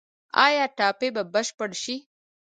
آیا ټاپي به بشپړه شي؟